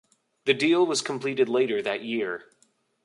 The deal was completed later that year.